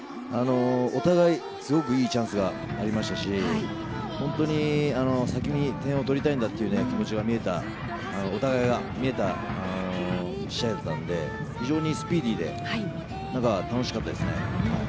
お互い、すごくいいチャンスがありましたし先に点を取りたいんだという気持ちがお互いに見えた試合なので非常にスピーディーで楽しかったですね。